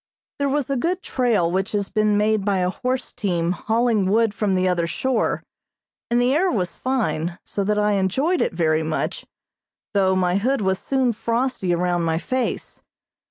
There was a good trail which has been made by a horse team hauling wood from the other shore, and the air was fine, so that I enjoyed it very much, though my hood was soon frosty around my face.